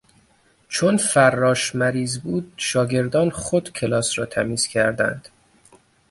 چون فراش مریض بود شاگردان خود کلاس را تمیز کردند.